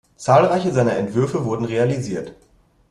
Zahlreiche seiner Entwürfe wurden realisiert.